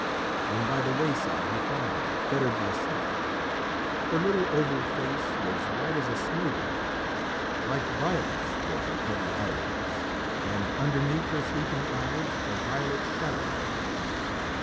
And by the wayside he found her, fettered by sleep. Her little oval face was white as a snowdrop. Like violets were her heavy eyelids, and underneath her sleeping eyes a violet shadow lay.